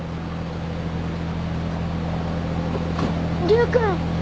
竜君。